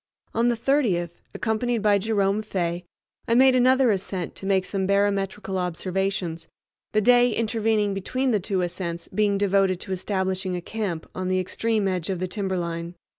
On the 30th, accompanied by Jerome Fay, I made another ascent to make some barometrical observations, the day intervening between the two ascents being devoted to establishing a camp on the extreme edge of the timberline.